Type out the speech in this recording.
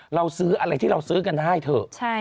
เราซื้ออะไรที่เราซื้อกันได้เถอะ